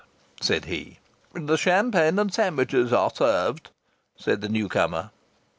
said he. "The champagne and sandwiches are served," said the new comer.